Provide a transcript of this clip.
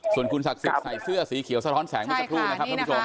ส่วนทุนศักย์ศิษย์ใส่เสื้อสีเขียวสะท้อนแสงนะคะ